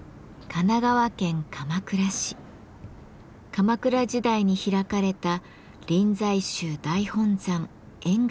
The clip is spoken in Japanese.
鎌倉時代に開かれた臨済宗大本山円覚寺です。